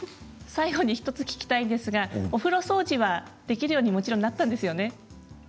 最後に１つ聞きたいんですけどお風呂掃除はできるようにもちろんなったんですよね？